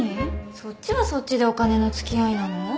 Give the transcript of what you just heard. そっちはそっちでお金のつきあいなの？